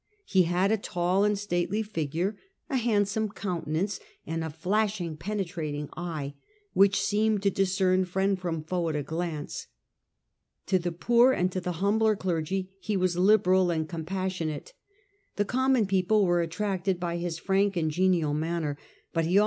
He had a tall and ' Henry IV. stately figure, a handsome countenance, and a flashing, penetrating eye, which seemed to discern friend from foe at a glance; to the poor, and to the humbler clergy, he was liberal and compassionate ; the common people were attracted by his frank and genial manner, but he of?